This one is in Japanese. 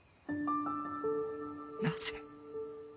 なぜ？